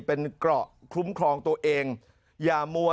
เป็นเกราะคุ้มครองตัวเองอย่ามัว